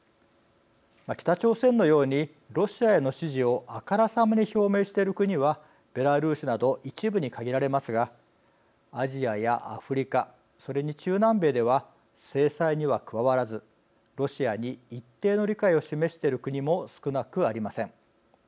北朝鮮のようにロシアへの支持をあからさまに表明している国はベラルーシなど一部に限られますがアジアやアフリカそれに中南米では制裁には加わらずロシアに一定の理解を示している国も少なくありません。